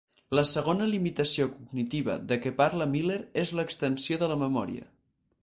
La segona limitació cognitiva de què parla Miller és l'extensió de la memòria.